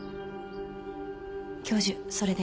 教授それで？